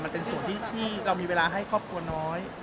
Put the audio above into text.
มันเป็นส่วนที่เรามีเวลาให้ครอบครัวน้อย